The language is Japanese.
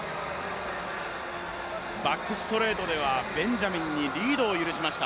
バックストレートではベンジャミンにリードを許しました。